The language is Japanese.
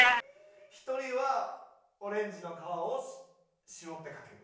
１人はオレンジの皮を絞ってかける。